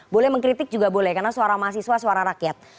boleh mengkritik juga boleh karena suara mahasiswa suara rakyat